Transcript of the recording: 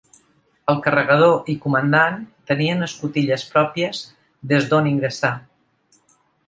El carregador i comandant tenien escotilles pròpies des d'on ingressar.